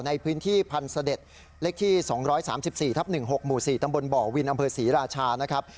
ในพื้นที่พันธ์เสด็จเลขที่๒๓๔ทับ๑๖หมู่๔ตำบลบ่อวินอำเภอศรีราชานะครับ